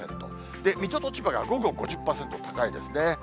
水戸と千葉が午後５０％、高いですね。